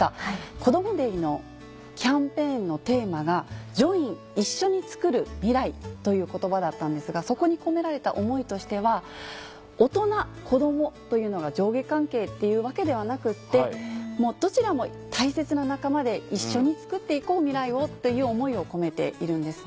こどもｄａｙのキャンペーンのテーマが「ＪＯＩＮ！いっしょにつくる、ミライ」という言葉だったんですがそこに込められた思いとしては大人子どもというのが上下関係っていうわけではなくてどちらも大切な仲間で一緒につくっていこう未来をという思いを込めているんですね。